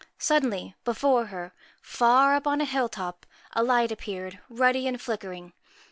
Suddenly, before her far up on a hill top a light appeared, ruddy and flickering.